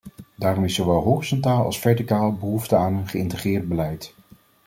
Daarom is zowel horizontaal als verticaal behoefte aan een geïntegreerd beleid.